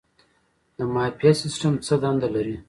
د معافیت سیستم څه دنده لري؟